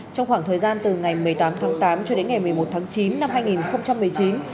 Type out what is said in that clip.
trong khoảng thời gian từ ngày một mươi tám tháng tám cho đến ngày một mươi một tháng chín năm hai nghìn một mươi chín